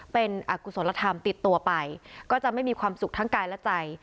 เป็นอกุศลธรรมติดตัวไปก็จะไม่มีความสุขทั้งกายและใจ